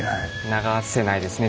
流せないですね